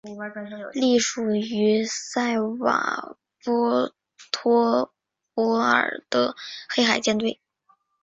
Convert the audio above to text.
隶属于塞瓦斯托波尔的黑海舰队。